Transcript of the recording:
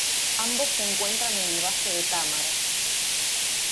Ambos se encuentran en el valle de Támara.